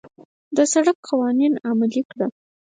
د سړک قوانين عملي کړه.